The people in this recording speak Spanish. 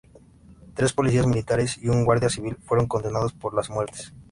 Tres policías militares y un guardia-civil fueron condenados por las muertes.